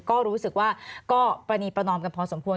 ก็รู้สึกว่าก็ปรณีประนอมกันพอสมควร